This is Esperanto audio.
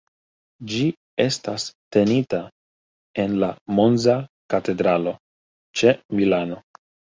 Ĝi estas tenita en la Monza Katedralo, ĉe Milano.